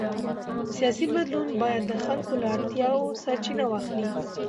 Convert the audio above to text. سیاسي بدلون باید د خلکو له اړتیاوو سرچینه واخلي